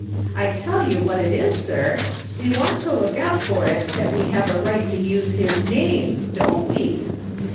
I tell you what it is, sir, we want to look out for it that we have a right to use his name, don't we